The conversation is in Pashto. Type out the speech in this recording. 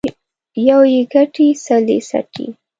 يو يې گټي ، سل يې څټي.